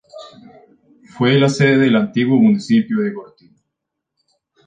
Fue la sede del antiguo municipio de Gortina.